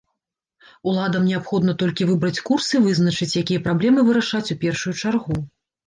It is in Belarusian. Уладам неабходна толькі выбраць курс і вызначыць, якія праблемы вырашаць у першую чаргу.